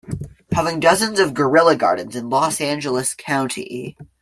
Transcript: Having dozens of guerrilla gardens in Los Angeles County.